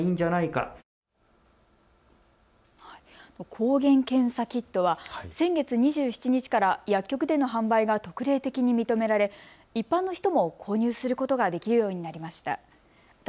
抗原検査キットは先月２７日から薬局での販売が特例的に認められ一般の人も購入することができるようになりました。